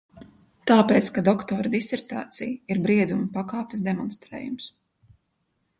Tāpēc, ka doktora disertācija ir brieduma pakāpes demonstrējums.